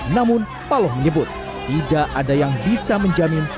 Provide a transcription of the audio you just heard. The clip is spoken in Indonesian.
namun paloh menyebut tidak ada yang bisa menjamin